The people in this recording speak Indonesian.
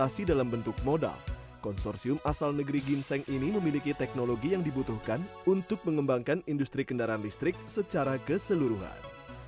investasi dalam bentuk modal konsorsium asal negeri ginseng ini memiliki teknologi yang dibutuhkan untuk mengembangkan industri kendaraan listrik secara keseluruhan